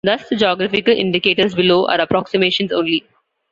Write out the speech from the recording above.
Thus, the geographical indicators below are approximations only.